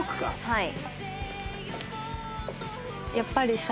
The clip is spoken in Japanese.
はい。